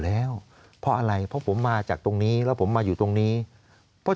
แล้วเพราะอะไรเพราะผมมาจากตรงนี้แล้วผมมาอยู่ตรงนี้เพราะ